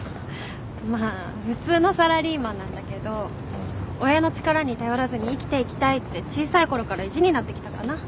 まあ普通のサラリーマンなんだけど親の力に頼らずに生きていきたいって小さいころから意地になってきたかな。